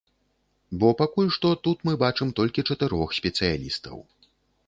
Бо пакуль што тут мы бачым толькі чатырох спецыялістаў.